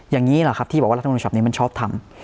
อย่างนี้แหละครับที่บอกว่ารัฐมนุนฉบับนี้มันชอบทำ